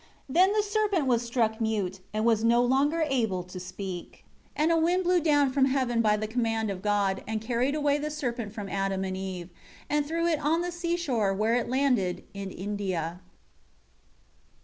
8 Then the serpent was struck mute, and was no longer able to speak. 9 And a wind blew down from heaven by the command of God and carried away the serpent from Adam and Eve, and threw it on the seashore where it landed in India.